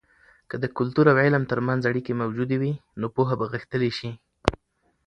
که د کلتور او علم ترمنځ اړیکې موجودې وي، نو پوهه به غښتلې سي.